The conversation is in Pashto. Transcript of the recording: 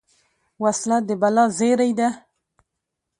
وسله د بلا زېری ده